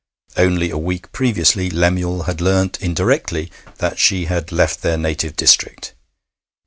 Only a week previously Lemuel had learnt indirectly that she had left their native district.